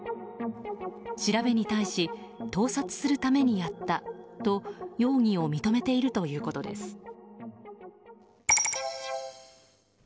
調べに対し盗撮するためにやったと容疑を認めているということです。